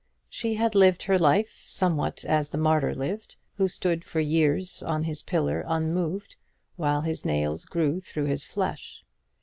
She had lived her life somewhat as the martyr lived, who stood for years on his pillar unmoved, while his nails grew through his flesh.